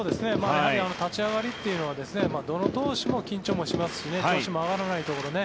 立ち上がりというのはどの投手も緊張しますし調子も上がらないところ